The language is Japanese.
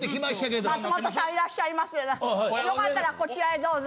よかったらこちらへどうぞ。